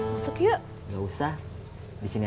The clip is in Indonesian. masuk yuk gak usah di sini